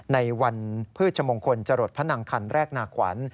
ในวันพืชมงคลจรดพระนังคันแรกนาขวัญ